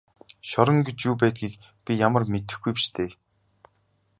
Шорон гэж юу байдгийг би ямар мэдэхгүй биш дээ.